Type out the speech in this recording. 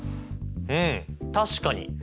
うん確かに！